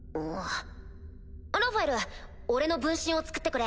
ラファエル俺の分身を作ってくれ。